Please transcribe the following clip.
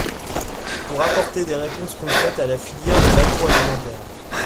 pour apporter des réponses concrètes à la filière de l’agroalimentaire